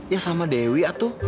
ya sama dewi atuh